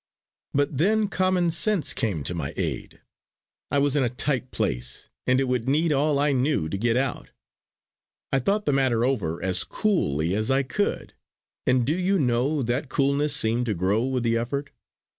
But then common sense came to my aid. I was in a tight place, and it would need all I knew to get out. I thought the matter over as coolly as I could; and do you know that coolness seemed to grow with the effort!